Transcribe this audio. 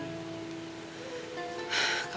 kalau aku amati